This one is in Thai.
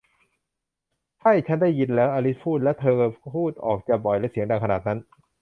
ใช่ ชั้นได้ยินแล้ว อลิซพูด ก็เธอพูดออกจะบ่อยและเสียงดังขนาดนั้น